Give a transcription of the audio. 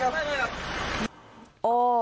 ไม่ครับ